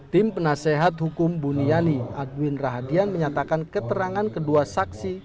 tim penasehat hukum buniani adwin rahadian menyatakan keterangan kedua saksi